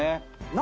何？